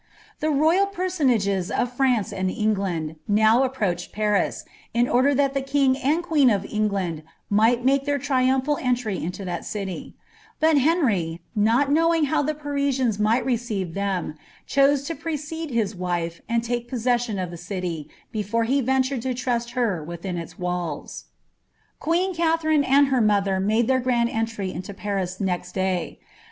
Tb* royal personnges of France and England now approached i'ari», ia <Kict that the king and queen of England might m^e their triumphal aof into that city; but Henry, not knowing how the Parii^iaiiK iniehi irtti thero, chose to precede his wife, and take possession of ttie alv, bcfoM ■ ventured to trust her within its walls. "Qneen Kaiherine and her mother made their gretid pntry iiHo P»* 'Xt day.